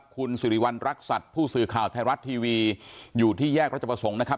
คุณสิริวัณรักษัตริย์ผู้สื่อข่าวไทยรัฐทีวีอยู่ที่แยกรัชประสงค์นะครับ